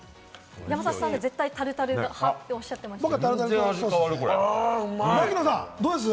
山里さんは絶対タルタル派とおっしゃってましたけど。